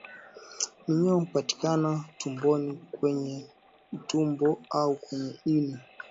Minyoo hupatikana tumboni kwenye utumbo au kwenye ini